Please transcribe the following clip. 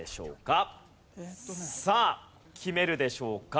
さあ決めるでしょうか？